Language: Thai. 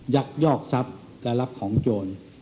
ยักยอกทรัพย์และรับของโจร